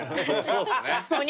そうっすね。